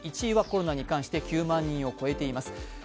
１位はコロナに関して９万人を超えています。